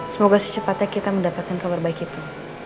semoga secepatnya kita mendapatkan kabar baik itu